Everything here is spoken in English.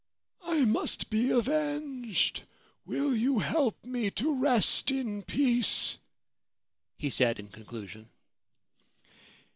' I must be avenged. Will you help me to rest in peace ?' he said in con clusion.